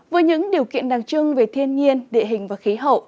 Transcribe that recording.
với những điều kiện đặc trưng về thiên nhiên địa hình và khí hậu